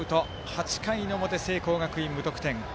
８回の表、聖光学院、無得点。